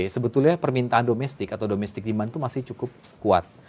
sebetulnya permintaan domestik atau domestic demand itu masih cukup kuat